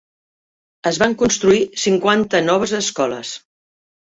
Es van construir cinquanta noves escoles.